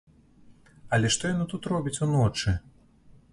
Але што яны тут робяць уночы?